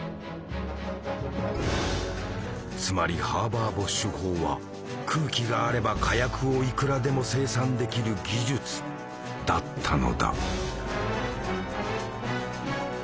つまりハーバー・ボッシュ法は空気があれば火薬をいくらでも生産できる技術だったのだ。